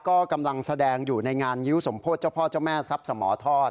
ก็กำลังแสดงอยู่ในงานงิ้วสมโพธิเจ้าพ่อเจ้าแม่ทรัพย์สมทอด